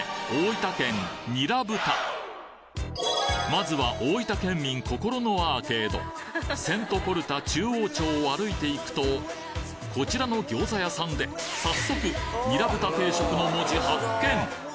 まずは大分県民心のアーケードセントポルタ中央町を歩いていくとこちらの餃子屋さんで早速「ニラ豚定食」の文字発見！